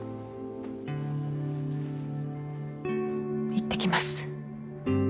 いってきます。